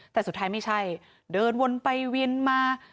แต่สุดท้ายไม่ใช่เดินวนไปเวียนมา